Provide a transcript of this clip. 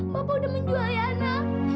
bapak udah menjual iyena